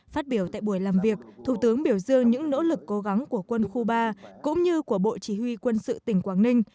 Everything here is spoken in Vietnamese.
phát biểu tại buổi làm việc thủ tướng biểu dương những nỗ lực cố gắng của quân khu ba cũng như của bộ chỉ huy quân sự tỉnh quảng ninh